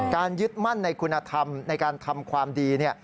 ยึดมั่นในคุณธรรมในการทำความดี